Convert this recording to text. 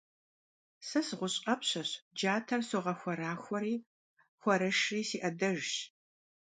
Сэ сыгъущӀ Ӏэпщэщ, джатэр согъэхуэрахуэри хуарэшри си Ӏэдэжщ.